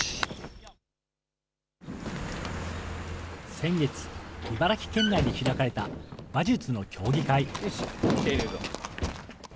先月、茨城県内で開かれた馬術の競技会。